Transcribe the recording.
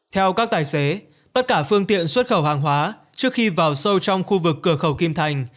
theo các tài xế tất cả phương tiện xuất khẩu hàng hóa trước khi vào sâu trong khu vực cửa khẩu kim thành